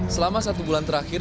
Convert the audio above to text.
selama satu bulan terakhir